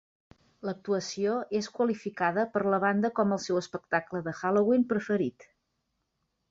L'actuació és qualificada per la banda com el seu espectacle de Halloween preferit.